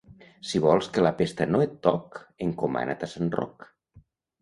Si vols que la pesta no et toc, encomana't a Sant Roc.